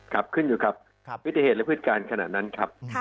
ครับขึ้นอยู่ครับวิทยาลัยพฤติการขนาดนั้นครับ